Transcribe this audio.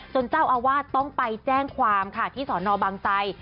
จนเจ้าอาวาสต้องไปแจ้งความค่ะที่ศนบังไตย